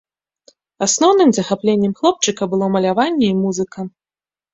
Асноўным захапленнем хлопчыка было маляванне і музыка.